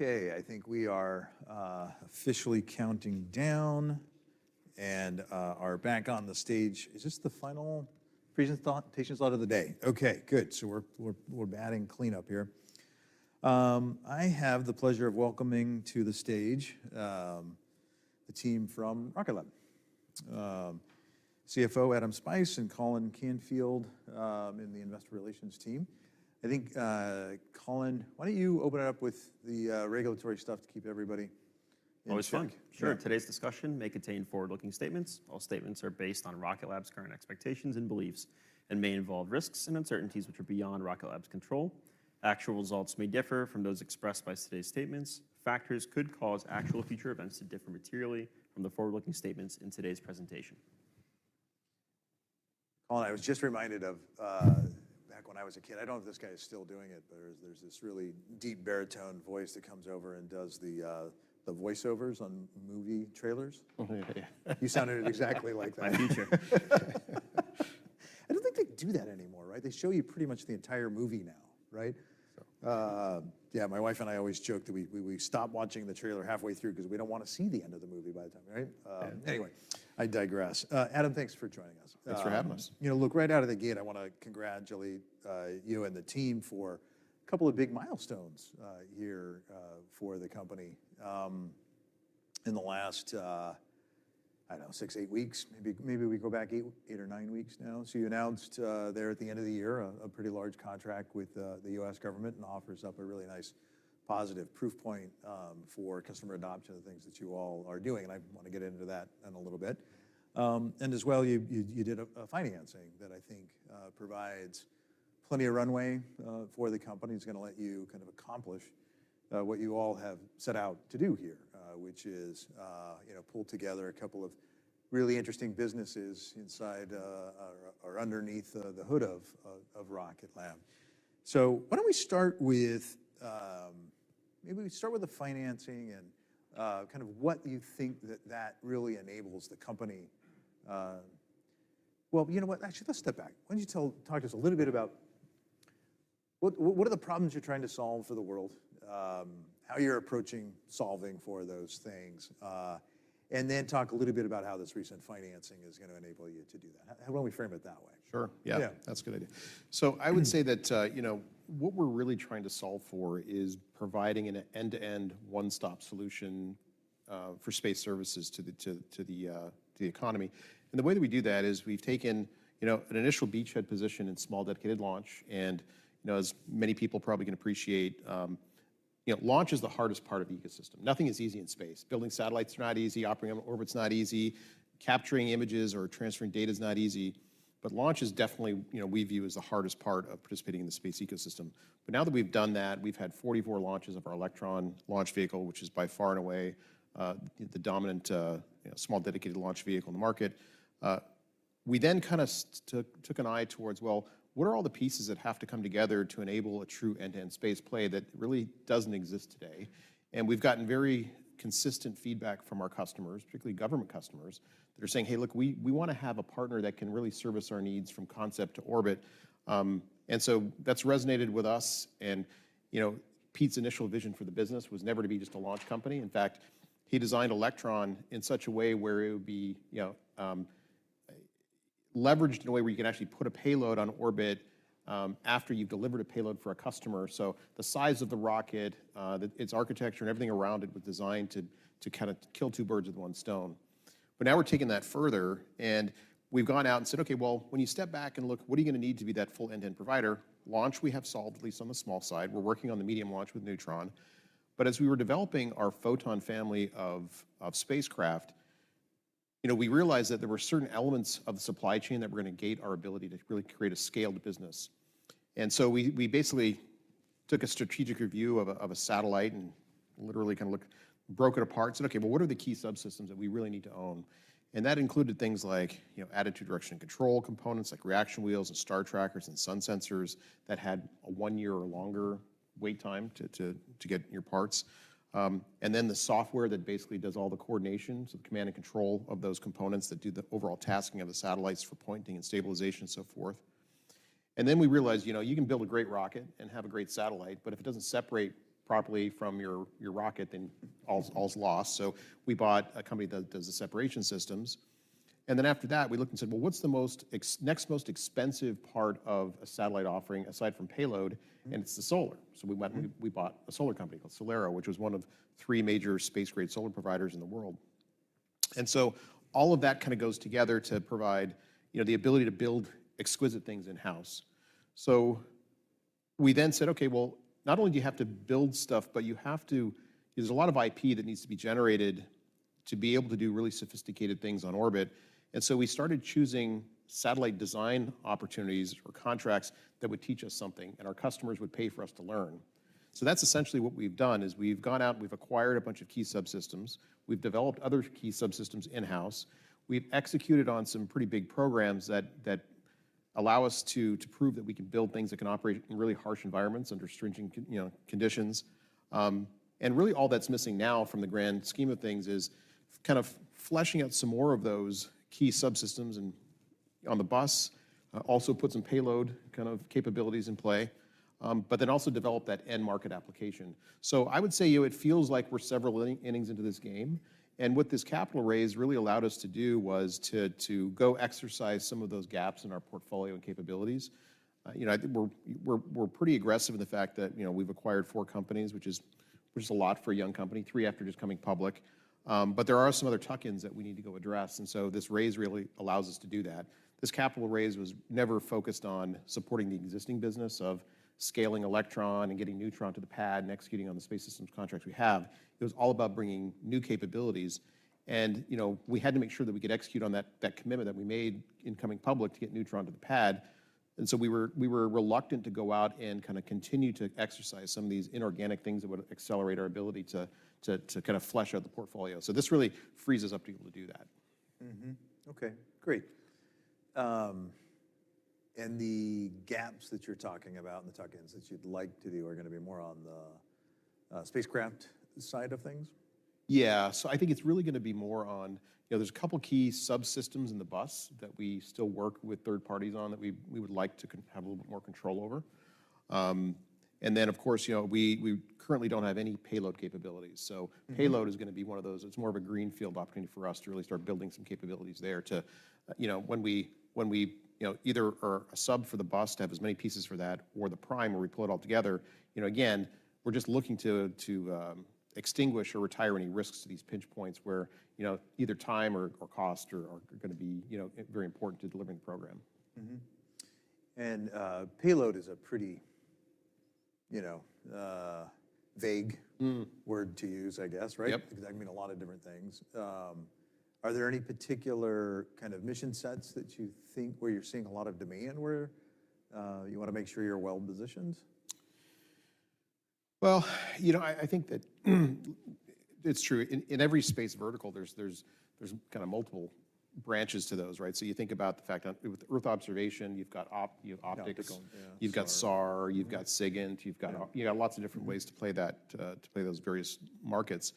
Okay, I think we are officially counting down and are back on the stage. Is this the final presentation slot of the day? Okay, good. So we're batting clean up here. I have the pleasure of welcoming to the stage the team from Rocket Lab, CFO Adam Spice and, in the Investor Relations team. I think, Colin, why don't you open it up with the regulatory stuff to keep everybody in the loop? Always fun. Sure. Today's discussion may contain forward-looking statements. All statements are based on Rocket Lab's current expectations and beliefs and may involve risks and uncertainties which are beyond Rocket Lab's control. Actual results may differ from those expressed by today's statements. Factors could cause actual future events to differ materially from the forward-looking statements in today's presentation. Colin, I was just reminded of back when I was a kid. I don't know if this guy is still doing it, but there's this really deep baritone voice that comes over and does the voiceovers on movie trailers. You sounded exactly like that. My teacher. I don't think they do that anymore, right? They show you pretty much the entire movie now, right? So. Yeah, my wife and I always joke that we stop watching the trailer halfway through because we don't want to see the end of the movie by the time, right? Anyway, I digress. Adam, thanks for joining us. Thanks for having us. You know, look, right out of the gate, I want to congratulate you and the team for a couple of big milestones here for the company. In the last, I don't know, six, eight weeks, maybe, maybe we go back eight or nine weeks now, so you announced there at the end of the year a pretty large contract with the US government and offers up a really nice positive proof point for customer adoption of the things that you all are doing. I want to get into that in a little bit. As well, you did a financing that I think provides plenty of runway for the company. It's going to let you kind of accomplish what you all have set out to do here, which is, you know, pull together a couple of really interesting businesses inside, or underneath the hood of Rocket Lab. So why don't we start with, maybe we start with the financing and, kind of what you think that that really enables the company. Well, you know what? Actually, let's step back. Why don't you talk to us a little bit about what, what are the problems you're trying to solve for the world, how you're approaching solving for those things, and then talk a little bit about how this recent financing is going to enable you to do that? How, how do we frame it that way? Sure. Yeah. That's a good idea. So I would say that, you know, what we're really trying to solve for is providing an end-to-end one-stop solution for space services to the economy. And the way that we do that is we've taken, you know, an initial beachhead position in small dedicated launch. And, you know, as many people are probably going to appreciate, you know, launch is the hardest part of the ecosystem. Nothing is easy in space. Building satellites is not easy. Operating an orbit is not easy. Capturing images or transferring data is not easy. But launch is definitely, you know, we view as the hardest part of participating in the space ecosystem. But now that we've done that, we've had 44 launches of our Electron launch vehicle, which is by far and away, the dominant, you know, small dedicated launch vehicle in the market. We then kind of took, took an eye towards, well, what are all the pieces that have to come together to enable a true end-to-end space play that really doesn't exist today? And we've gotten very consistent feedback from our customers, particularly government customers, that are saying, "Hey, look, we, we want to have a partner that can really service our needs from concept to orbit." And so that's resonated with us. And, you know, Pete's initial vision for the business was never to be just a launch company. In fact, he designed Electron in such a way where it would be, you know, leveraged in a way where you can actually put a payload on orbit, after you've delivered a payload for a customer. So the size of the rocket, its architecture and everything around it was designed to kind of kill two birds with one stone. But now we're taking that further. And we've gone out and said, "Okay, well, when you step back and look, what are you going to need to be that full end-to-end provider?" Launch, we have solved at least on the small side. We're working on the medium launch with Neutron. But as we were developing our Photon family of spacecraft, you know, we realized that there were certain elements of the supply chain that were going to gate our ability to really create a scaled business. And so we basically took a strategic review of a satellite and literally kind of looked, broke it apart, said, "Okay, well, what are the key subsystems that we really need to own?" And that included things like, you know, attitude direction control components like reaction wheels and star trackers and sun sensors that had a one-year or longer wait time to get your parts. And then the software that basically does all the coordination, so the command and control of those components that do the overall tasking of the satellites for pointing and stabilization and so forth. And then we realized, you know, you can build a great rocket and have a great satellite, but if it doesn't separate properly from your rocket, then all's lost. So we bought a company that does the separation systems. And then after that, we looked and said, "Well, what's the next most expensive part of a satellite offering aside from payload?" And it's the solar. So we went, we bought a solar company called SolAero, which was one of three major space-grade solar providers in the world. And so all of that kind of goes together to provide, you know, the ability to build exquisite things in-house. So we then said, "Okay, well, not only do you have to build stuff, but you have to, there's a lot of IP that needs to be generated to be able to do really sophisticated things on orbit." And so we started choosing satellite design opportunities or contracts that would teach us something, and our customers would pay for us to learn. So that's essentially what we've done is we've gone out and we've acquired a bunch of key subsystems. We've developed other key subsystems in-house. We've executed on some pretty big programs that allow us to prove that we can build things that can operate in really harsh environments under stringent, you know, conditions. Really all that's missing now from the grand scheme of things is kind of fleshing out some more of those key subsystems and on the bus, also put some payload kind of capabilities in play, but then also develop that end-market application. So I would say, you know, it feels like we're several innings into this game. What this capital raise really allowed us to do was to go exercise some of those gaps in our portfolio and capabilities. You know, I think we're pretty aggressive in the fact that, you know, we've acquired four companies, which is a lot for a young company, three after just coming public. But there are some other tuck-ins that we need to go address. And so this raise really allows us to do that. This capital raise was never focused on supporting the existing business of scaling Electron and getting Neutron to the pad and executing on the Space Systems contracts we have. It was all about bringing new capabilities. And, you know, we had to make sure that we could execute on that commitment that we made in coming public to get Neutron to the pad. And so we were reluctant to go out and kind of continue to exercise some of these inorganic things that would accelerate our ability to kind of flesh out the portfolio. So this really frees us up to be able to do that. Mm-hmm. Okay. Great. The gaps that you're talking about and the tuck-ins that you'd like to do are going to be more on the spacecraft side of things? Yeah. So I think it's really going to be more on, you know, there's a couple key subsystems in the bus that we still work with third parties on that we would like to have a little bit more control over. And then, of course, you know, we currently don't have any payload capabilities. So payload is going to be one of those. It's more of a greenfield opportunity for us to really start building some capabilities there to, you know, when we either are a sub for the bus, have as many pieces for that, or the prime, or we pull it all together, you know, again, we're just looking to extinguish or retire any risks to these pinch points where, you know, either time or cost are going to be, you know, very important to delivering the program. Mm-hmm. Payload is a pretty, you know, vague word to use, I guess, right? Yep. Because that can mean a lot of different things. Are there any particular kind of mission sets that you think where you're seeing a lot of demand where, you want to make sure you're well positioned? Well, you know, I think that it's true. In every space vertical, there's kind of multiple branches to those, right? So you think about the fact on with Earth observation, you've got optics. Optical, yeah. You've got SAR. You've got SIGINT. You've got lots of different ways to play that, to play those various markets.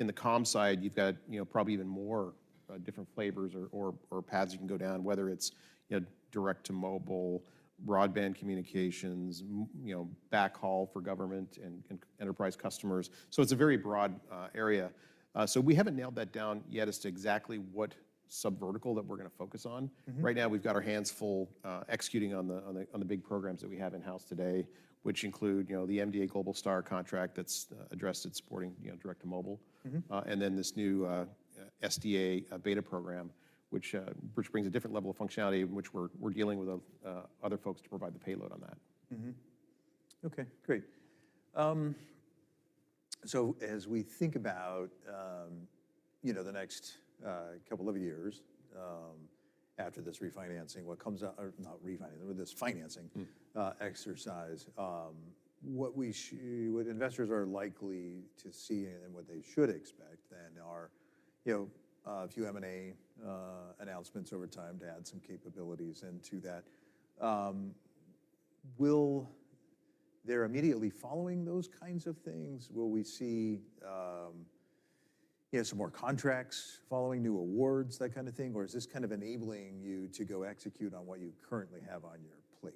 In the comm side, you've got, you know, probably even more, different flavors or paths you can go down, whether it's, you know, direct to mobile, broadband communications, you know, backhaul for government and enterprise customers. So it's a very broad area. So we haven't nailed that down yet as to exactly what subvertical that we're going to focus on. Right now, we've got our hands full, executing on the big programs that we have in-house today, which include, you know, the MDA Globalstar contract that's addressed at supporting, you know, direct to mobile. And then this new SDA Beta program, which brings a different level of functionality in which we're dealing with other folks to provide the payload on that. Mm-hmm. Okay. Great. So as we think about, you know, the next couple of years after this refinancing, what comes out or not refinancing, this financing exercise, what investors are likely to see and what they should expect then are, you know, a few M&A announcements over time to add some capabilities into that. Will they immediately follow those kinds of things? Will we see, you know, some more contracts following new awards, that kind of thing? Or is this kind of enabling you to go execute on what you currently have on your plate?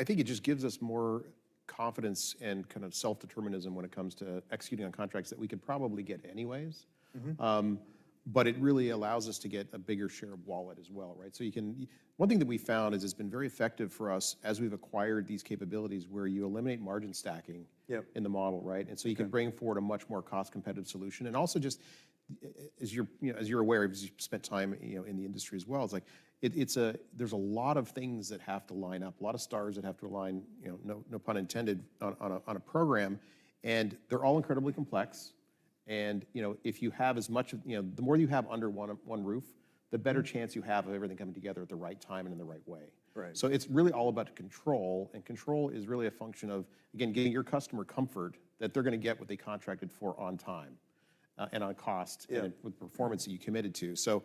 I think it just gives us more confidence and kind of self-determination when it comes to executing on contracts that we could probably get anyway. But it really allows us to get a bigger share of wallet as well, right? So you can one thing that we found is it's been very effective for us as we've acquired these capabilities where you eliminate margin stacking in the model, right? And so you can bring forward a much more cost-competitive solution. And also just as you're, you know, as you've spent time, you know, in the industry as well, it's like it's a there's a lot of things that have to line up, a lot of stars that have to align, you know, no, no pun intended, on, on a on a program. And they're all incredibly complex. You know, if you have as much of, you know, the more that you have under one roof, the better chance you have of everything coming together at the right time and in the right way. So it's really all about control. And control is really a function of, again, getting your customer comfort that they're going to get what they contracted for on time and on cost and with the performance that you committed to. So,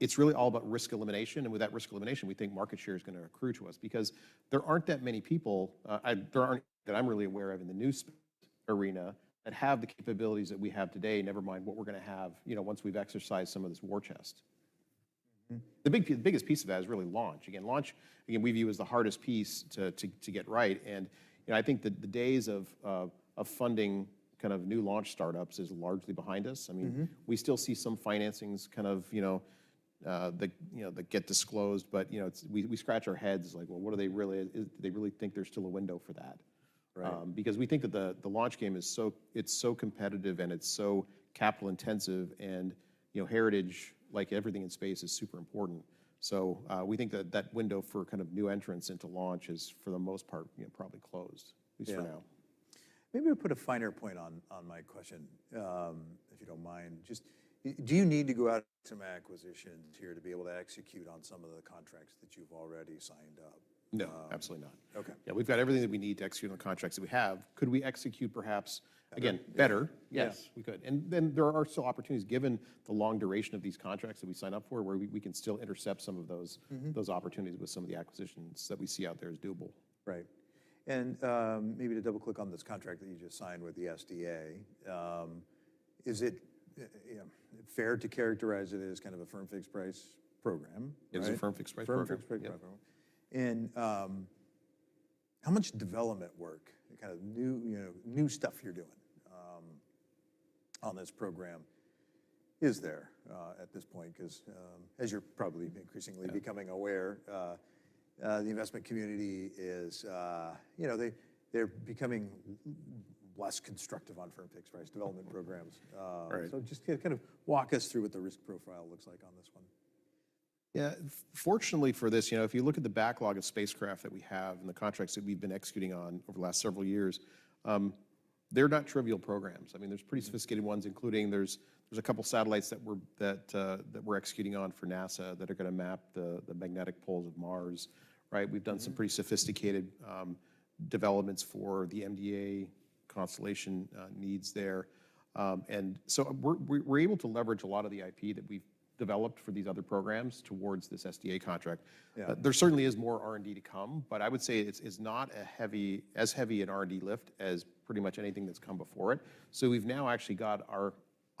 it's really all about risk elimination. And with that risk elimination, we think market share is going to accrue to us because there aren't that many people that I'm really aware of in the news arena that have the capabilities that we have today, never mind what we're going to have, you know, once we've exercised some of this war chest. The biggest piece of that is really launch. Again, launch, we view as the hardest piece to get right. And, you know, I think that the days of funding kind of new launch startups is largely behind us. I mean, we still see some financings kind of, you know, that get disclosed. But, you know, it's we scratch our heads like, well, what do they really is they really think there's still a window for that? Because we think that the launch game is so competitive and it's so capital-intensive. And, you know, heritage, like everything in space, is super important. So, we think that that window for kind of new entrants into launch is for the most part, you know, probably closed, at least for now. Maybe we'll put a finer point on my question, if you don't mind. Just do you need to go out to some acquisitions here to be able to execute on some of the contracts that you've already signed up? No. Absolutely not. Okay. Yeah. We've got everything that we need to execute on the contracts that we have. Could we execute perhaps, again, better? Yes. Yes, we could. And then there are still opportunities given the long duration of these contracts that we sign up for where we can still intercept some of those opportunities with some of the acquisitions that we see out there as doable. Right. And maybe to double-click on this contract that you just signed with the SDA, is it, you know, fair to characterize it as kind of a Firm-Fixed-Price program, right? It's a Firm-Fixed-Price program. Firm-Fixed-Price program. How much development work, kind of new, you know, new stuff you're doing on this program is there at this point? Because, as you're probably increasingly becoming aware, the investment community is, you know, they, they're becoming less constructive on Firm-Fixed-Price development programs. So just kind of walk us through what the risk profile looks like on this one. Yeah. Fortunately for this, you know, if you look at the backlog of spacecraft that we have and the contracts that we've been executing on over the last several years, they're not trivial programs. I mean, there's pretty sophisticated ones, including there's a couple satellites that we're executing on for NASA that are going to map the magnetic poles of Mars, right? We've done some pretty sophisticated developments for the MDA constellation needs there. And so we're able to leverage a lot of the IP that we've developed for these other programs towards this SDA contract. There certainly is more R&D to come. But I would say it's not as heavy an R&D lift as pretty much anything that's come before it. So we've now actually got our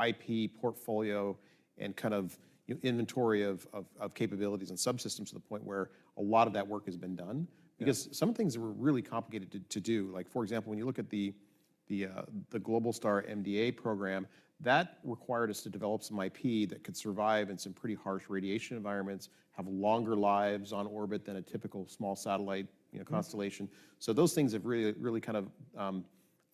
IP portfolio and kind of, you know, inventory of capabilities and subsystems to the point where a lot of that work has been done. Because some of the things that were really complicated to do, like, for example, when you look at the Globalstar MDA program, that required us to develop some IP that could survive in some pretty harsh radiation environments, have longer lives on orbit than a typical small satellite, you know, constellation. So those things have really kind of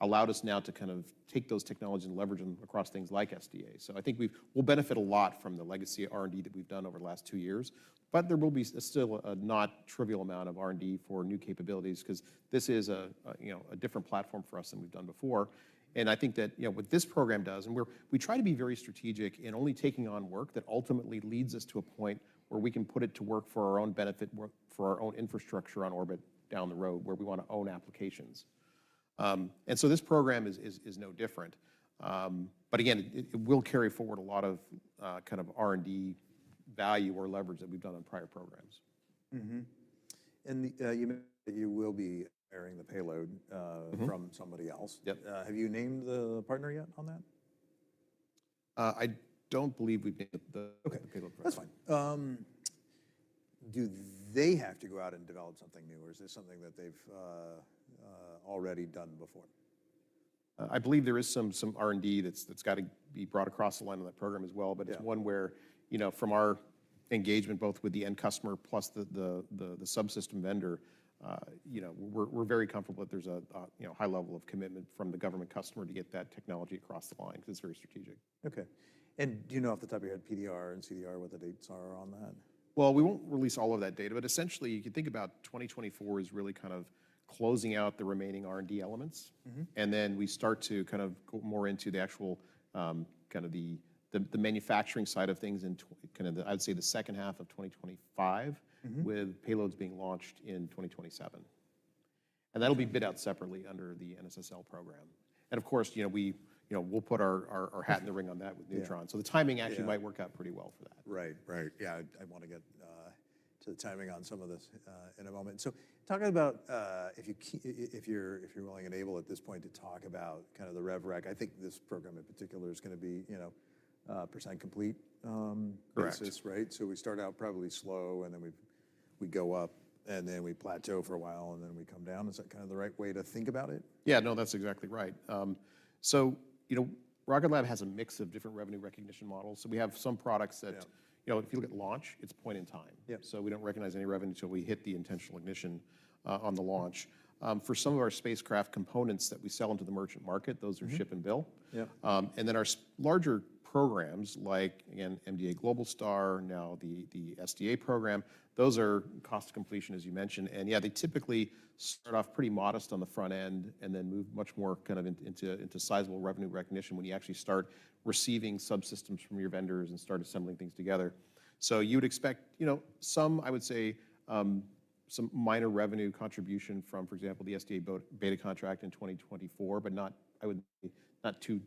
allowed us now to kind of take those technologies and leverage them across things like SDA. So I think we'll benefit a lot from the legacy R&D that we've done over the last two years. But there will be still a not trivial amount of R&D for new capabilities because this is a you know a different platform for us than we've done before. And I think that you know what this program does and we try to be very strategic in only taking on work that ultimately leads us to a point where we can put it to work for our own benefit for our own infrastructure on orbit down the road where we want to own applications. And so this program is no different. But again it will carry forward a lot of kind of R&D value or leverage that we've done on prior programs. Mm-hmm. And the, you mentioned that you will be hiring the payload from somebody else. Yep. Have you named the partner yet on that? I don't believe we've named the payload provider. Okay. That's fine. Do they have to go out and develop something new, or is this something that they've already done before? I believe there is some R&D that's got to be brought across the line on that program as well. But it's one where, you know, from our engagement both with the end customer plus the subsystem vendor, you know, we're very comfortable that there's a you know high level of commitment from the government customer to get that technology across the line because it's very strategic. Okay. And do you know off the top of your head PDR and CDR, what the dates are on that? Well, we won't release all of that data. But essentially, you could think about 2024 as really kind of closing out the remaining R&D elements. And then we start to kind of go more into the actual kind of manufacturing side of things in kind of, I would say, the H1 of 2025 with payloads being launched in 2027. And that'll be bid out separately under the NSSL program. And of course, you know, we, you know, we'll put our hat in the ring on that with Neutron. So the timing actually might work out pretty well for that. Right. Right. Yeah. I want to get to the timing on some of this in a moment. So talking about, if you're willing and able at this point to talk about kind of the rev rec, I think this program in particular is going to be, you know, percent complete basis, right? Correct. So we start out probably slow, and then we go up, and then we plateau for a while, and then we come down. Is that kind of the right way to think about it? Yeah. No, that's exactly right. So, you know, Rocket Lab has a mix of different revenue recognition models. So we have some products that, you know, if you look at launch, it's point in time. So we don't recognize any revenue until we hit the intentional ignition, on the launch. For some of our spacecraft components that we sell into the merchant market, those are ship and bill. And then our larger programs, like, again, MDA Globalstar, now the, the SDA program, those are cost of completion, as you mentioned. And yeah, they typically start off pretty modest on the front end and then move much more kind of into, into, into sizable revenue recognition when you actually start receiving subsystems from your vendors and start assembling things together. So you would expect, you know, some, I would say, some minor revenue contribution from, for example, the SDA beta contract in 2024, but not too,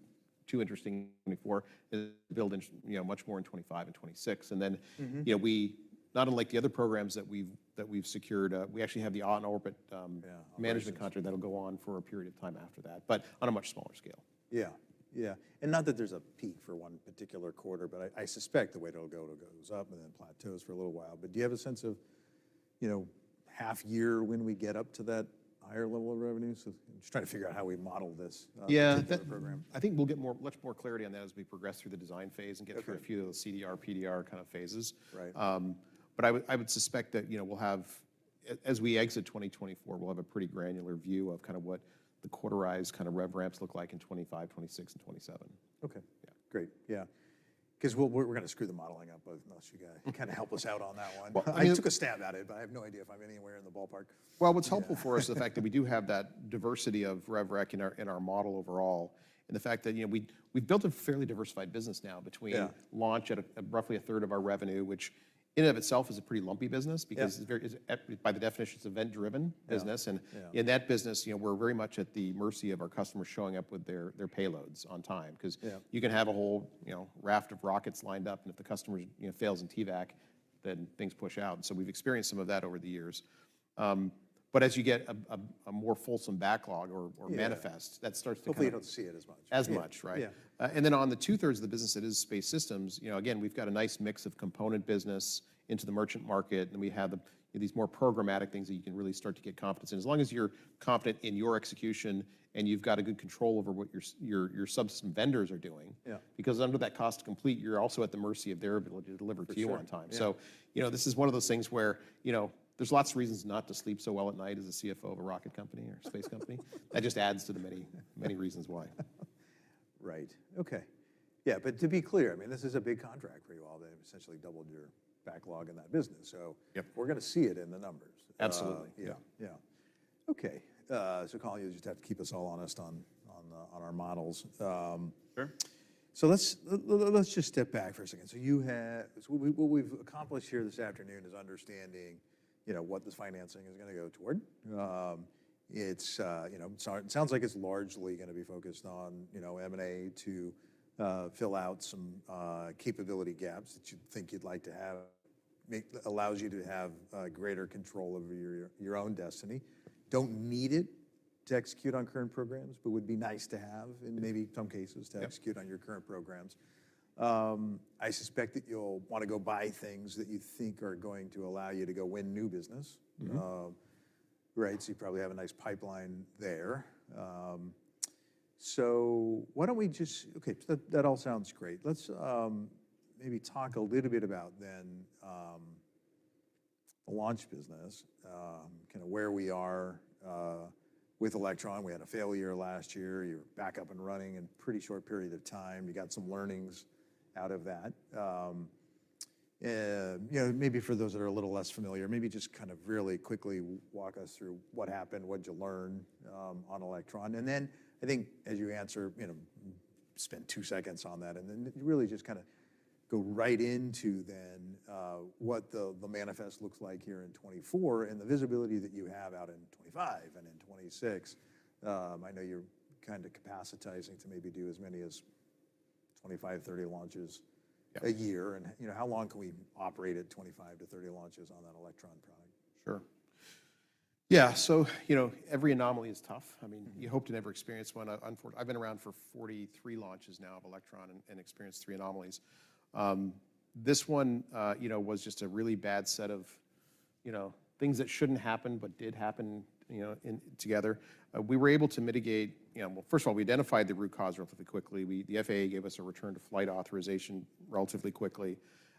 too interesting in 2024. But will, you know, much more in 2025 and 2026. And then, you know, we, not unlike the other programs that we've secured, we actually have the on-orbit management contract that'll go on for a period of time after that, but on a much smaller scale. Yeah. Yeah. And not that there's a peak for one particular quarter, but I, I suspect the way that'll go, it'll go up and then plateaus for a little while. But do you have a sense of, you know, half-year when we get up to that higher level of revenue? So just trying to figure out how we model this particular program. Yeah. I think we'll get more much more clarity on that as we progress through the design phase and get through a few of those CDR, PDR kind of phases. But I would, I would suspect that, you know, we'll have as we exit 2024, we'll have a pretty granular view of kind of what the quarterize kind of rev ramps look like in 2025, 2026, and 2027. Okay. Yeah. Great. Yeah. Because we're, we're going to screw the modeling up unless you guys kind of help us out on that one. I took a stab at it, but I have no idea if I'm anywhere in the ballpark. Well, what's helpful for us is the fact that we do have that diversity of rev rec in our model overall and the fact that, you know, we've built a fairly diversified business now between launch at roughly a third of our revenue, which in and of itself is a pretty lumpy business because it's very by the definition, it's event-driven business. And in that business, you know, we're very much at the mercy of our customers showing up with their payloads on time. Because you can have a whole, you know, raft of rockets lined up. And if the customer, you know, fails in TVAC, then things push out. And so we've experienced some of that over the years. But as you get a more fulsome backlog or manifest, that starts to kind of. Hopefully, you don't see it as much. As much, right? Yeah. And then on the 2/3 of the business that is space systems, you know, again, we've got a nice mix of component business into the merchant market. And then we have the, you know, these more programmatic things that you can really start to get confidence in. As long as you're confident in your execution and you've got a good control over what your, your, your subsystem vendors are doing, because under that cost to complete, you're also at the mercy of their ability to deliver to you on time. So, you know, this is one of those things where, you know, there's lots of reasons not to sleep so well at night as a CFO of a rocket company or space company. That just adds to the many, many reasons why. Right. Okay. Yeah. But to be clear, I mean, this is a big contract for you all that essentially doubled your backlog in that business. So we're going to see it in the numbers. Absolutely. Yeah. Yeah. Okay. So, Colin, you just have to keep us all honest on our models. Sure. So let's just step back for a second. So what we've accomplished here this afternoon is understanding, you know, what this financing is going to go toward. It's, you know, it sounds like it's largely going to be focused on, you know, M&A to fill out some capability gaps that you think you'd like to have. It allows you to have greater control over your own destiny. Don't need it to execute on current programs, but would be nice to have in maybe some cases to execute on your current programs. I suspect that you'll want to go buy things that you think are going to allow you to go win new business, right? So you probably have a nice pipeline there. So why don't we just okay. That all sounds great. Let's maybe talk a little bit about then the launch business, kind of where we are with Electron. We had a failure last year. You were back up and running in a pretty short period of time. You got some learnings out of that. You know, maybe for those that are a little less familiar, maybe just kind of really quickly walk us through what happened, what did you learn on Electron. And then I think as you answer, you know, spend two seconds on that and then really just kind of go right into then what the manifest looks like here in 2024 and the visibility that you have out in 2025 and in 2026. I know you're kind of capacitizing to maybe do as many as 25, 30 launches a year. You know, how long can we operate at 25-30 launches on that Electron product? Sure. Yeah. So, you know, every anomaly is tough. I mean, you hope to never experience one. Unfortunately, I've been around for 43 launches now of Electron and experienced 3 anomalies. This one, you know, was just a really bad set of, you know, things that shouldn't happen but did happen, you know, together. We were able to mitigate, you know, well, first of all, we identified the root cause relatively quickly. The FAA gave us a return to flight authorization relatively quickly.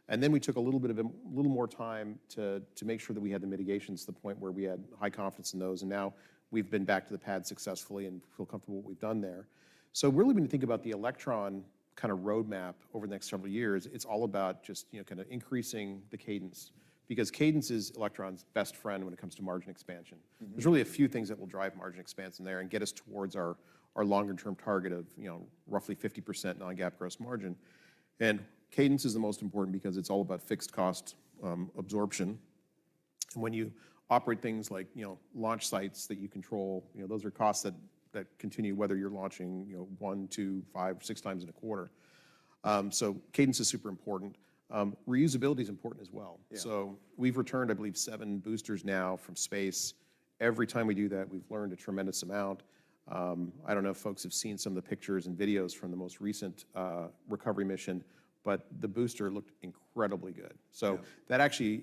And then we took a little bit of a little more time to, to make sure that we had the mitigations to the point where we had high confidence in those. And now we've been back to the pad successfully and feel comfortable with what we've done there. So really, when you think about the Electron kind of roadmap over the next several years, it's all about just, you know, kind of increasing the cadence. Because cadence is Electron's best friend when it comes to margin expansion. There's really a few things that will drive margin expansion there and get us towards our, our longer-term target of, you know, roughly 50% non-GAAP gross margin. And cadence is the most important because it's all about fixed cost absorption. And when you operate things like, you know, launch sites that you control, you know, those are costs that, that continue whether you're launching, you know, one, two, five, six times in a quarter. So cadence is super important. Reusability is important as well. So we've returned, I believe, seven boosters now from space. Every time we do that, we've learned a tremendous amount. I don't know if folks have seen some of the pictures and videos from the most recent recovery mission, but the booster looked incredibly good. So that actually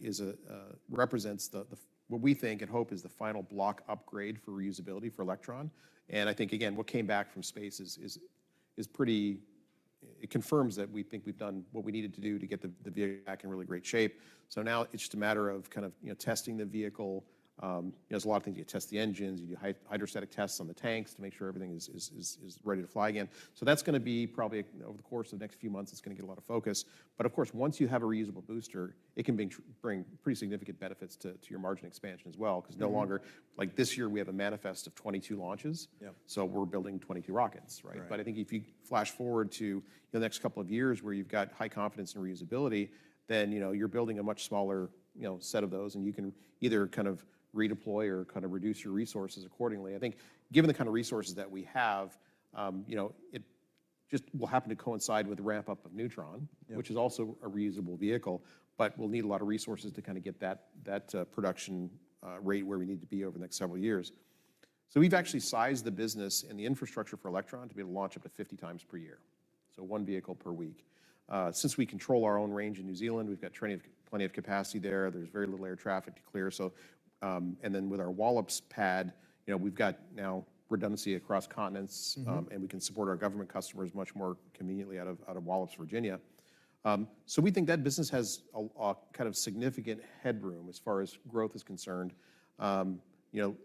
represents the what we think and hope is the final block upgrade for reusability for Electron. And I think, again, what came back from space is pretty. It confirms that we think we've done what we needed to do to get the vehicle back in really great shape. So now it's just a matter of kind of, you know, testing the vehicle. You know, there's a lot of things. You test the engines. You do hydrostatic tests on the tanks to make sure everything is ready to fly again. So that's going to be probably over the course of the next few months. It's going to get a lot of focus. But of course, once you have a reusable booster, it can bring pretty significant benefits to your margin expansion as well because no longer like this year, we have a manifest of 22 launches. So we're building 22 rockets, right? But I think if you flash forward to, you know, the next couple of years where you've got high confidence in reusability, then, you know, you're building a much smaller, you know, set of those. And you can either kind of redeploy or kind of reduce your resources accordingly. I think given the kind of resources that we have, you know, it just will happen to coincide with the ramp-up of Neutron, which is also a reusable vehicle, but we'll need a lot of resources to kind of get that production rate where we need to be over the next several years. So we've actually sized the business and the infrastructure for Electron to be able to launch up to 50 times per year. So one vehicle per week. Since we control our own range in New Zealand, we've got plenty of capacity there. There's very little air traffic to clear. So, and then with our Wallops pad, you know, we've got now redundancy across continents. And we can support our government customers much more conveniently out of, out of Wallops, Virginia. So we think that business has a kind of significant headroom as far as growth is concerned. You know,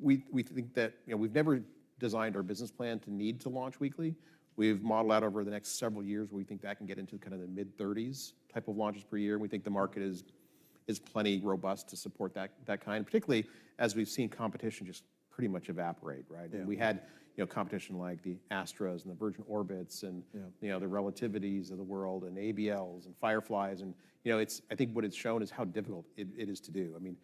we, we think that, you know, we've never designed our business plan to need to launch weekly. We've modeled out over the next several years where we think that can get into kind of the mid-30s type of launches per year. And we think the market is plenty robust to support that kind, particularly as we've seen competition just pretty much evaporate, right? And we had, you know, competition like Astra and Virgin Orbit and, you know, the Relativity of the world and ABL and Firefly. And, you know, I think what it's shown is how difficult it is to do. I mean,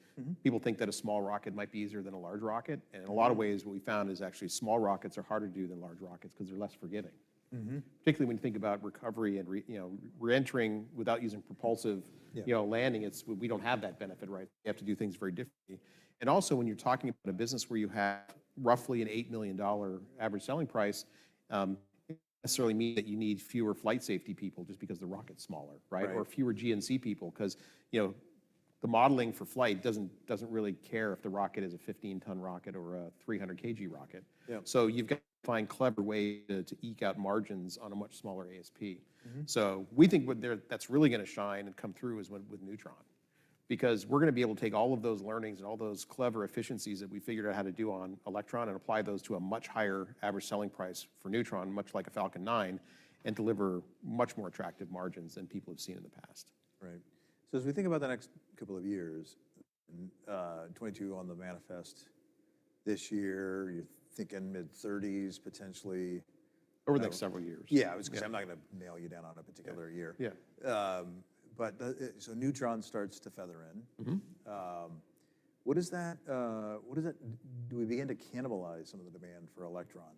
people think that a small rocket might be easier than a large rocket. And in a lot of ways, what we found is actually small rockets are harder to do than large rockets because they're less forgiving. Particularly when you think about recovery and, you know, re-entering without using propulsive, you know, landing, it's we don't have that benefit, right? We have to do things very differently. And also, when you're talking about a business where you have roughly an $8 million average selling price, it doesn't necessarily mean that you need fewer flight safety people just because the rocket's smaller, right? Or fewer GNC people because, you know, the modeling for flight doesn't really care if the rocket is a 15-ton rocket or a 300 kg rocket. So you've got to find clever ways to eke out margins on a much smaller ASP. So we think what we're doing that's really going to shine and come through is with Neutron because we're going to be able to take all of those learnings and all those clever efficiencies that we figured out how to do on Electron and apply those to a much higher average selling price for Neutron, much like a Falcon 9, and deliver much more attractive margins than people have seen in the past. Right. So as we think about the next couple of years, 22 on the manifest this year, you're thinking mid-30s potentially. Over the next several years. Yeah. Because I'm not going to nail you down on a particular year. Yeah. But so Neutron starts to feather in. What does that, what does that do? We begin to cannibalize some of the demand for Electron,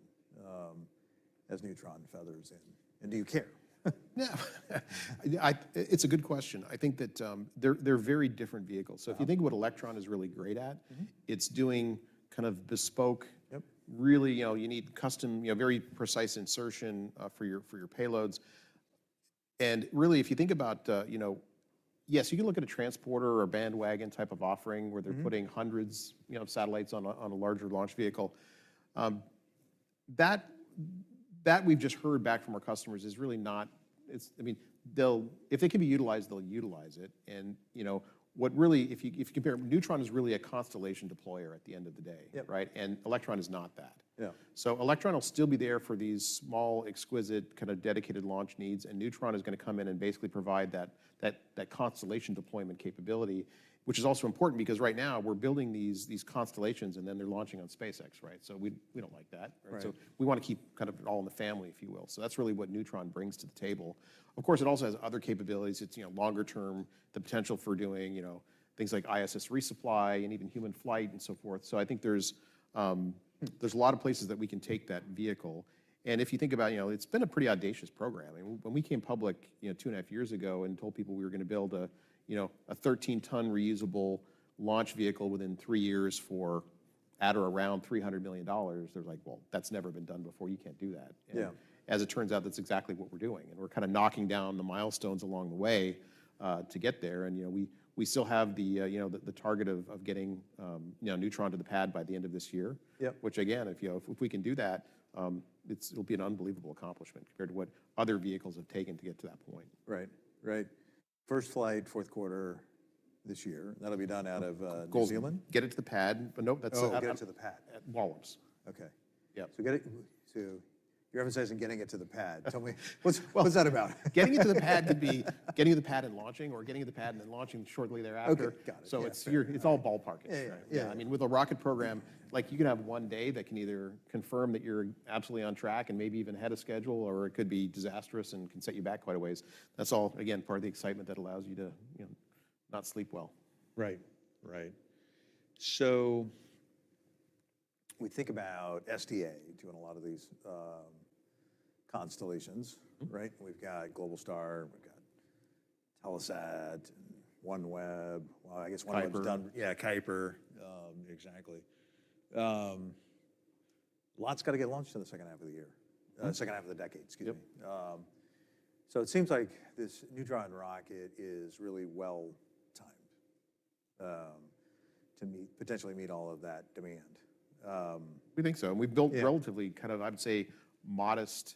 as Neutron feathers in? And do you care? No. It's a good question. I think that, they're very different vehicles. So if you think of what Electron is really great at, it's doing kind of bespoke, really, you know, you need custom, you know, very precise insertion, for your, for your payloads. And really, if you think about, you know, yes, you can look at a Transporter or Bandwagon type of offering where they're putting hundreds, you know, of satellites on a, on a larger launch vehicle. That we've just heard back from our customers is really not it. I mean, they'll if it can be utilized, they'll utilize it. And, you know, what really if you, if you compare Neutron is really a constellation deployer at the end of the day, right? And Electron is not that. Yeah. So Electron will still be there for these small, exquisite kind of dedicated launch needs. Neutron is going to come in and basically provide that constellation deployment capability, which is also important because right now we're building these constellations and then they're launching on SpaceX, right? So we don't like that, right? So we want to keep kind of it all in the family, if you will. So that's really what Neutron brings to the table. Of course, it also has other capabilities. It's, you know, longer term, the potential for doing, you know, things like ISS resupply and even human flight and so forth. So I think there's a lot of places that we can take that vehicle. And if you think about, you know, it's been a pretty audacious program. I mean, when we came public, you know, two and a half years ago and told people we were going to build a, you know, a 13-ton reusable launch vehicle within three years for at or around $300 million, they're like, well, that's never been done before. You can't do that. And as it turns out, that's exactly what we're doing. And we're kind of knocking down the milestones along the way, to get there. And, you know, we still have the, you know, the target of getting, you know, Neutron to the pad by the end of this year, which again, if you know, if we can do that, it'll be an unbelievable accomplishment compared to what other vehicles have taken to get to that point. Right. Right. First flight, Q4 this year. That'll be done out of New Zealand. Goal? Get it to the pad? But nope, that's not. Oh, get it to the pad. At Wallops. Okay. Yeah. So, get it to. You're emphasizing getting it to the pad. Tell me, what's that about? Getting it to the pad could be getting you the pad and launching or getting you the pad and then launching shortly thereafter. Okay. Got it. So it's all ballparking. Yeah. Yeah. I mean, with a rocket program, like you can have one day that can either confirm that you're absolutely on track and maybe even ahead of schedule or it could be disastrous and can set you back quite a ways. That's all, again, part of the excitement that allows you to, you know, not sleep well. Right. Right. So we think about SDA doing a lot of these, constellations, right? We've got Globalstar. We've got Telesat, OneWeb. Well, I guess OneWeb's done. Kuiper. Yeah. Kuiper, exactly. Lots got to get launched in the H1 of the year, H1 of the decade, excuse me. So it seems like this Neutron rocket is really well-timed, to meet potentially meet all of that demand. We think so. And we've built relatively kind of, I would say, modest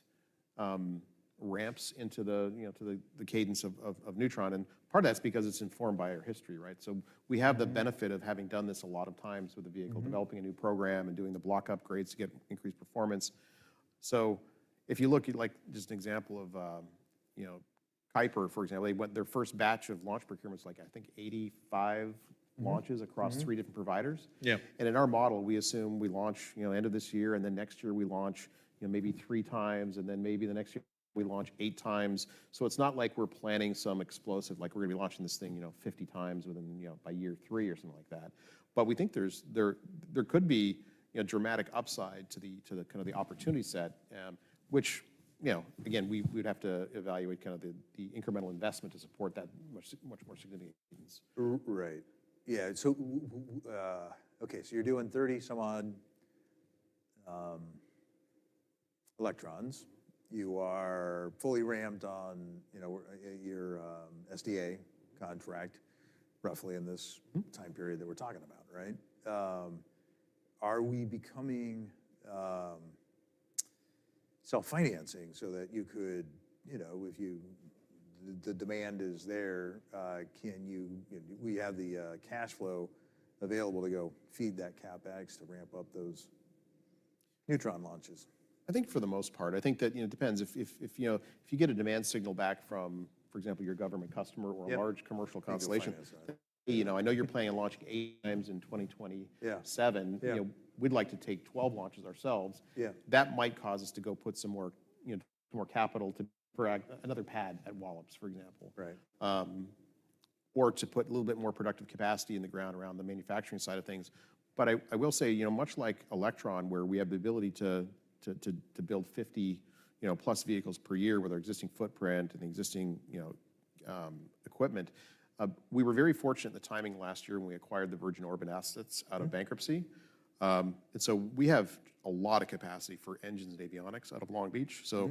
ramps into the, you know, to the cadence of Neutron. And part of that's because it's informed by our history, right? So we have the benefit of having done this a lot of times with the vehicle, developing a new program and doing the block upgrades to get increased performance. So if you look at like just an example of, you know, Kuiper, for example, they went their first batch of launch procurement was like, I think, 85 launches across three different providers. Yeah. And in our model, we assume we launch, you know, end of this year and then next year we launch, you know, maybe three times and then maybe the next year we launch eight times. So it's not like we're planning some explosive, like we're going to be launching this thing, you know, 50 times within, you know, by year three or something like that. But we think there could be, you know, dramatic upside to the kind of opportunity set, which, you know, again, we'd have to evaluate kind of the incremental investment to support that much more significant cadence. Right. Yeah. So, okay. So you're doing 30-some-odd Electrons. You are fully ramped on, you know, your SDA contract roughly in this time period that we're talking about, right? Are we becoming self-financing so that you could, you know, if the demand is there, can you, you know, we have the cash flow available to go feed that CapEx to ramp up those Neutron launches? I think for the most part, I think that, you know, it depends if you get a demand signal back from, for example, your government customer or a large commercial constellation, you know, I know you're planning on launching eight times in 2027. You know, we'd like to take 12 launches ourselves. Yeah. That might cause us to go put some more, you know, some more capital to another pad at Wallops, for example. Right, or to put a little bit more productive capacity in the ground around the manufacturing side of things. But I will say, you know, much like Electron where we have the ability to build 50, you know, plus vehicles per year with our existing footprint and the existing, you know, equipment, we were very fortunate in the timing last year when we acquired the Virgin Orbit assets out of bankruptcy. And so we have a lot of capacity for engines and avionics out of Long Beach. So,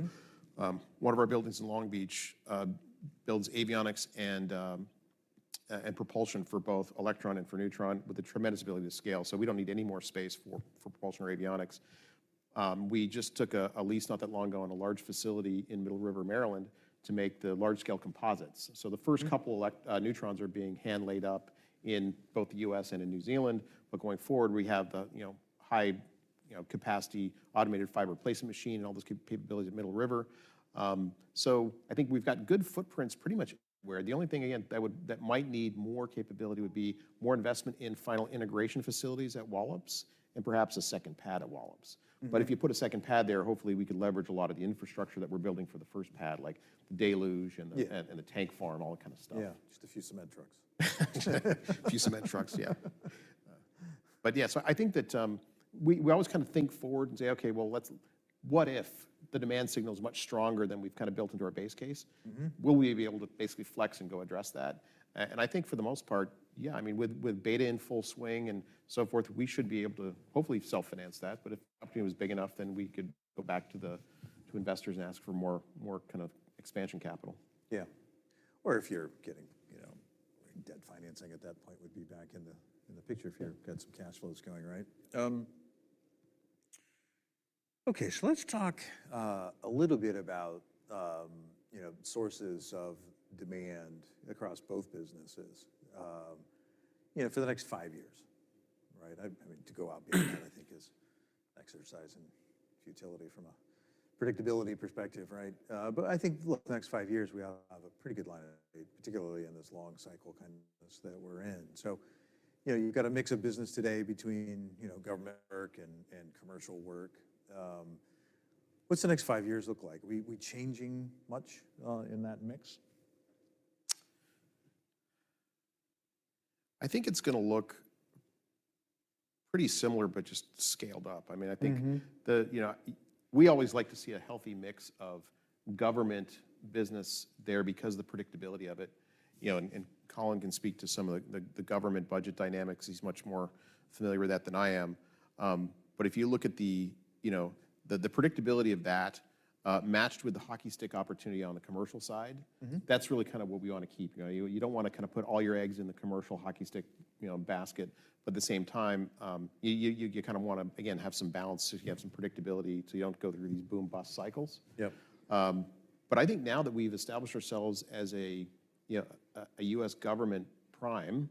one of our buildings in Long Beach builds avionics and propulsion for both Electron and for Neutron with a tremendous ability to scale. So we don't need any more space for propulsion or avionics. We just took a lease not that long ago on a large facility in Middle River, Maryland to make the large-scale composites. So the first couple of Neutrons are being hand-laid up in both the US and in New Zealand. But going forward, we have the, you know, high, you know, capacity automated fiber replacement machine and all those capabilities at Middle River. So I think we've got good footprints pretty much everywhere. The only thing, again, that might need more capability would be more investment in final integration facilities at Wallops and perhaps a second pad at Wallops. But if you put a second pad there, hopefully we could leverage a lot of the infrastructure that we're building for the first pad, like the deluge and the tank farm, all that kind of stuff. Yeah. Just a few cement trucks. A few cement trucks. Yeah. But yeah. So I think that we always kind of think forward and say, okay, well, let's what if the demand signal is much stronger than we've kind of built into our base case? Will we be able to basically flex and go address that? And I think for the most part, yeah. I mean, with beta in full swing and so forth, we should be able to hopefully self-finance that. But if the opportunity was big enough, then we could go back to the investors and ask for more kind of expansion capital. Yeah. Or if you're getting, you know, debt financing at that point would be back in the picture if you've got some cash flows going, right? Okay. So let's talk a little bit about, you know, sources of demand across both businesses, you know, for the next five years, right? I mean, to go out beyond that, I think, is exercising futility from a predictability perspective, right? But I think, look, the next five years we have a pretty good line of sight, particularly in this long cycle kind of that we're in. So, you know, you've got a mix of business today between, you know, government work and commercial work. What's the next five years look like? We changing much, in that mix? I think it's going to look pretty similar but just scaled up. I mean, I think, you know, we always like to see a healthy mix of government business there because of the predictability of it. You know, and Colin can speak to some of the government budget dynamics. He's much more familiar with that than I am. But if you look at, you know, the predictability of that, matched with the hockey stick opportunity on the commercial side, that's really kind of what we want to keep. You know, you don't want to kind of put all your eggs in the commercial hockey stick, you know, basket. But at the same time, you kind of want to, again, have some balance so you have some predictability so you don't go through these boom-bust cycles. But I think now that we've established ourselves as a, you know, a US government prime,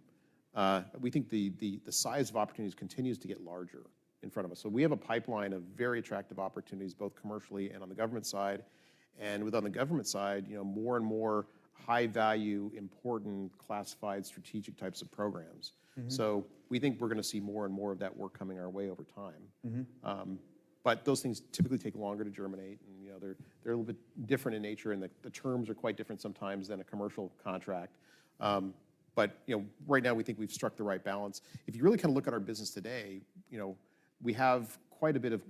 we think the size of opportunities continues to get larger in front of us. So we have a pipeline of very attractive opportunities both commercially and on the government side. And with on the government side, you know, more and more high-value, important, classified strategic types of programs. So we think we're going to see more and more of that work coming our way over time. But those things typically take longer to germinate. And, you know, they're a little bit different in nature and the terms are quite different sometimes than a commercial contract. But, you know, right now we think we've struck the right balance. If you really kind of look at our business today, you know, we have quite a bit of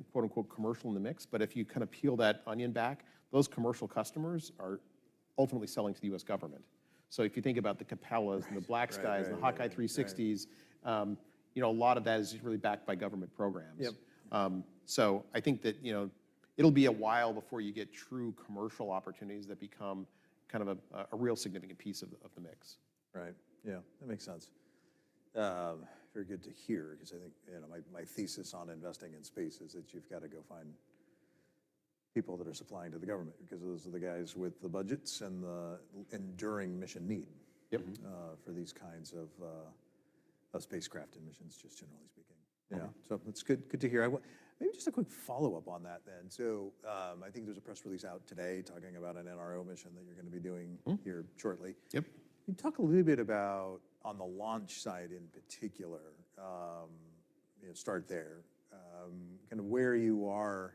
"commercial" in the mix. But if you kind of peel that onion back, those commercial customers are ultimately selling to the US government. So if you think about the Capella's and the BlackSky's and the HawkEye 360s, you know, a lot of that is really backed by government programs. So I think that, you know, it'll be a while before you get true commercial opportunities that become kind of a real significant piece of the mix. Right. Yeah. That makes sense. Very good to hear because I think, you know, my, my thesis on investing in space is that you've got to go find people that are supplying to the government because those are the guys with the budgets and the enduring mission need, for these kinds of, of spacecraft and missions just generally speaking. Yeah. So that's good, good to hear. I want maybe just a quick follow-up on that then. So, I think there's a press release out today talking about an NRO mission that you're going to be doing here shortly. Yep. You talk a little bit about on the launch side in particular, you know, start there, kind of where you are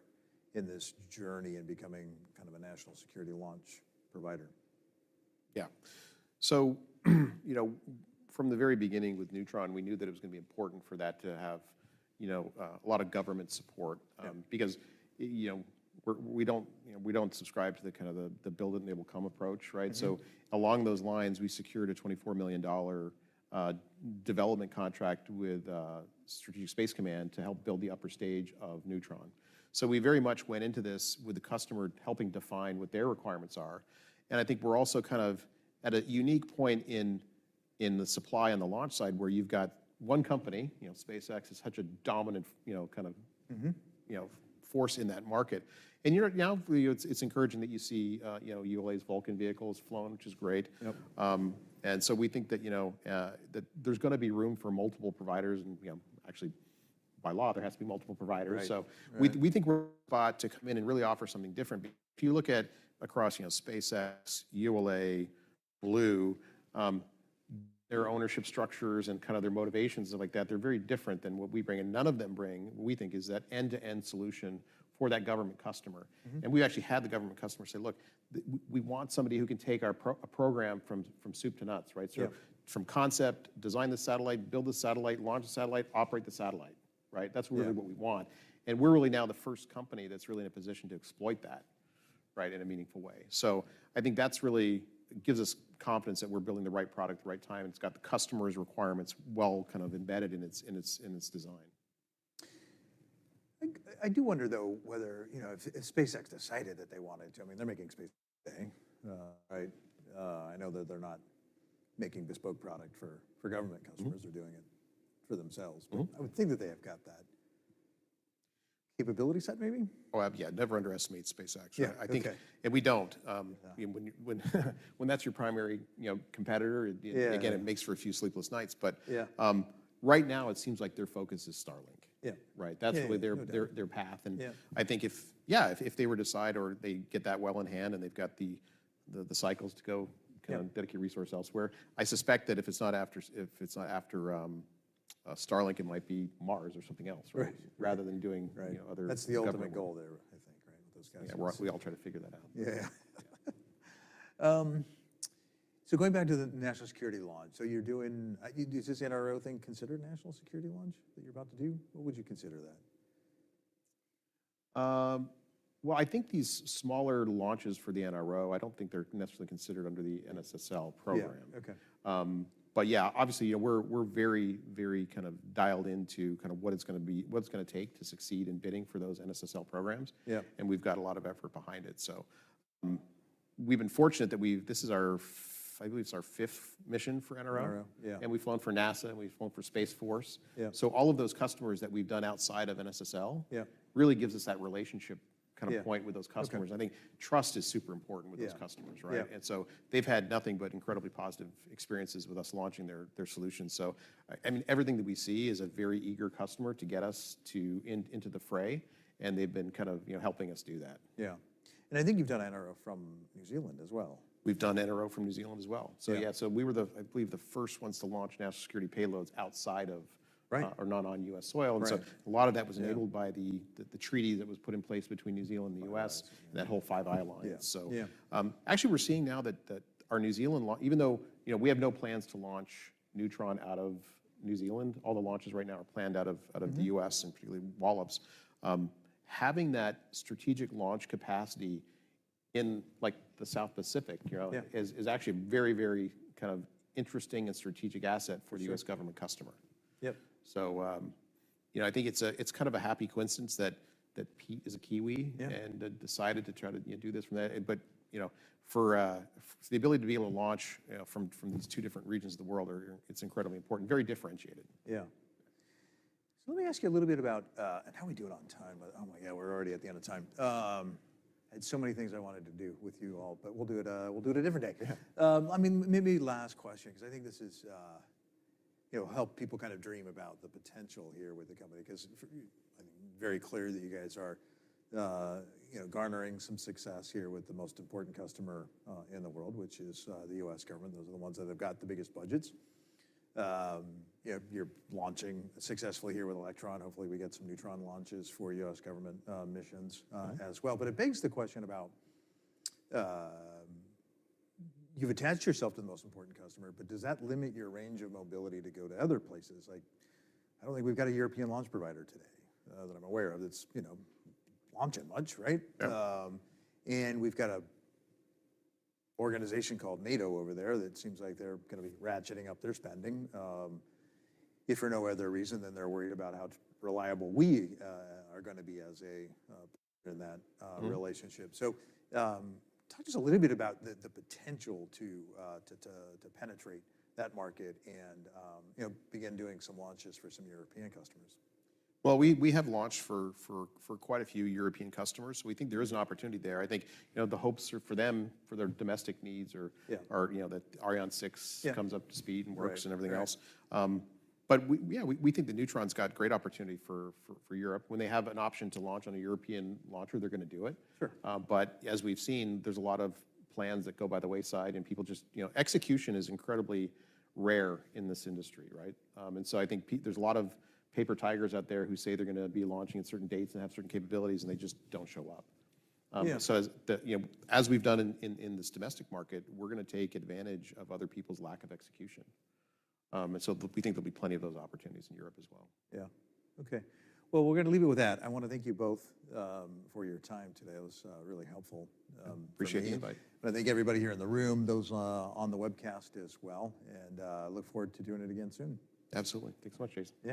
in this journey in becoming kind of a national security launch provider. Yeah. So, you know, from the very beginning with Neutron, we knew that it was going to be important for that to have, you know, a lot of government support, because, you know, we're, we don't, you know, we don't subscribe to the kind of the, the build it and they will come approach, right? So along those lines, we secured a $24 million development contract with US Space Force to help build the upper stage of Neutron. So we very much went into this with the customer helping define what their requirements are. And I think we're also kind of at a unique point in, in the supply on the launch side where you've got one company, you know, SpaceX is such a dominant, you know, kind of, you know, force in that market. You're now, you know, it's encouraging that you see, you know, ULA's Vulcan vehicles flowing, which is great. So we think that, you know, that there's going to be room for multiple providers and, you know, actually by law, there has to be multiple providers. So we think we're poised to come in and really offer something different. If you look across, you know, SpaceX, ULA, Blue, their ownership structures and kind of their motivations and like that, they're very different than what we bring. None of them bring, what we think, is that end-to-end solution for that government customer. We've actually had the government customer say, "Look, we want somebody who can take our program from soup to nuts," right? So from concept, design the satellite, build the satellite, launch the satellite, operate the satellite, right? That's really what we want. We're really now the first company that's really in a position to exploit that, right, in a meaningful way. I think that's really gives us confidence that we're building the right product at the right time. It's got the customer's requirements well kind of embedded in its design. I do wonder, though, whether, you know, if SpaceX decided that they wanted to, I mean, they're making space today, right? I know that they're not making bespoke product for government customers. They're doing it for themselves. But I would think that they have got that capability set, maybe. Oh, yeah. Never underestimate SpaceX. I think, and we don't. I mean, when that's your primary, you know, competitor, again, it makes for a few sleepless nights. But, right now it seems like their focus is Starlink, right? That's really their path. And I think if they were to decide or they get that well in hand and they've got the cycles to go kind of dedicate resource elsewhere, I suspect that if it's not after Starlink, it might be Mars or something else, right, rather than doing, you know, other. That's the ultimate goal there, I think, right, with those guys. Yeah. We all try to figure that out. Yeah. So going back to the national security launch. So you're doing, is this NRO thing considered national security launch that you're about to do? What would you consider that? Well, I think these smaller launches for the NRO, I don't think they're necessarily considered under the NSSL program. But yeah, obviously, you know, we're, we're very, very kind of dialed into kind of what it's going to be, what it's going to take to succeed in bidding for those NSSL programs. And we've got a lot of effort behind it. So, we've been fortunate that we've, this is our, I believe it's our fifth mission for NRO. Yeah. And we've flown for NASA and we've flown for Space Force. So all of those customers that we've done outside of NSSL really gives us that relationship kind of point with those customers. I think trust is super important with those customers, right? And so they've had nothing but incredibly positive experiences with us launching their, their solutions. So, I mean, everything that we see is a very eager customer to get us into the fray. And they've been kind of, you know, helping us do that. Yeah. I think you've done NRO from New Zealand as well. We've done NRO from New Zealand as well. So yeah. So we were the, I believe, the first ones to launch national security payloads outside of or not on US soil. And so a lot of that was enabled by the, the treaty that was put in place between New Zealand and the US and that whole Five Eyes Alliance. So, actually we're seeing now that, that our New Zealand launch, even though, you know, we have no plans to launch Neutron out of New Zealand, all the launches right now are planned out of, out of the US and particularly Wallops. Having that strategic launch capacity in, like, the South Pacific, you know, is, is actually a very, very kind of interesting and strategic asset for the US government customer. Yep. So, you know, I think it's kind of a happy coincidence that Pete is a Kiwi and decided to try to, you know, do this from that. But, you know, for the ability to be able to launch, you know, from these two different regions of the world, it's incredibly important, very differentiated. Yeah. So let me ask you a little bit about, and how we do it on time. Oh my God, we're already at the end of time. I had so many things I wanted to do with you all. But we'll do it, we'll do it a different day. I mean, maybe last question because I think this is, you know, help people kind of dream about the potential here with the company because I think very clear that you guys are, you know, garnering some success here with the most important customer, in the world, which is, the US government. Those are the ones that have got the biggest budgets. You know, you're launching successfully here with Electron. Hopefully we get some Neutron launches for US government, missions as well. But it begs the question about, you've attached yourself to the most important customer. But does that limit your range of mobility to go to other places? Like, I don't think we've got a European launch provider today that I'm aware of that's, you know, launching much, right? And we've got an organization called NATO over there that seems like they're going to be ratcheting up their spending. If for no other reason, then they're worried about how reliable we are going to be as a in that relationship. So, talk to us a little bit about the potential to penetrate that market and, you know, begin doing some launches for some European customers. Well, we have launched for quite a few European customers. So we think there is an opportunity there. I think, you know, the hopes are for them for their domestic needs are you know that Ariane 6 comes up to speed and works and everything else. But we, yeah, we think that Neutron's got great opportunity for Europe. When they have an option to launch on a European launcher, they're going to do it. But as we've seen, there's a lot of plans that go by the wayside and people just, you know, execution is incredibly rare in this industry, right? And so I think there's a lot of paper tigers out there who say they're going to be launching at certain dates and have certain capabilities and they just don't show up. So as the, you know, as we've done in this domestic market, we're going to take advantage of other people's lack of execution. So we think there'll be plenty of those opportunities in Europe as well. Yeah. Okay. Well, we're going to leave it with that. I want to thank you both for your time today. It was really helpful. Appreciate the invite. And I thank everybody here in the room, those on the webcast as well. And look forward to doing it again soon. Absolutely. Thanks so much, Jason.